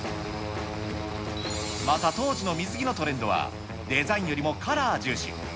また当時の水着のトレンドは、デザインよりもカラー重視。